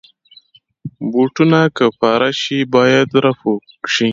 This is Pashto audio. بوټونه که پاره شي، باید رفو شي.